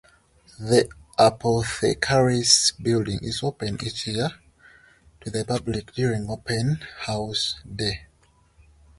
The Apothecaries' building is open each year to the public during Open House Day.